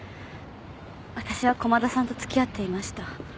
私は駒田さんと付き合っていました。